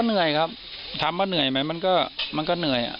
เหนื่อยครับถามว่าเหนื่อยไหมมันก็มันก็เหนื่อย